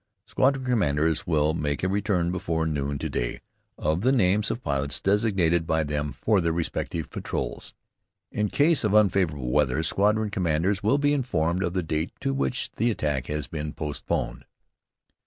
Squadron commanders will make a return before noon to day, of the names of pilots designated by them for their respective patrols. In case of unfavorable weather, squadron commanders will be informed of the date to which the attack has been postponed.